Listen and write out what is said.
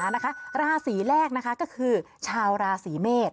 นะคะราศรีแรกนะคะก็คือชาวราศรีเมฆ